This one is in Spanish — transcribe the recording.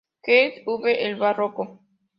Geese, Uwe: "El Barroco".